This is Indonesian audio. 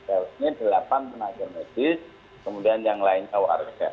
harusnya delapan tenaga medis kemudian yang lainnya warga